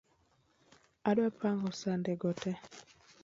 Adwa pango sande go tee .